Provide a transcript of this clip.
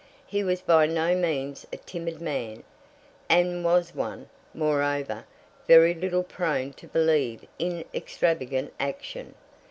He was by no means a timid man, and was one, moreover, very little prone to believe in extravagant action.